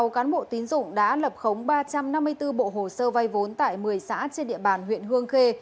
sáu cán bộ tín dụng đã lập khống ba trăm năm mươi bốn bộ hồ sơ vai vốn tại một mươi xã trên địa bàn huyện hương khê